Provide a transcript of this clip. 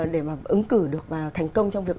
để mà ứng cử được và thành công trong việc